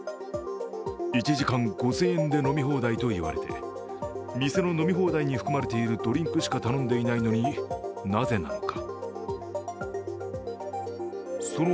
１時間５０００円で飲み放題と言われて店の飲み放題に含まれているドリンクしか頼んでいないのになぜなのか。